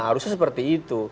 harusnya seperti itu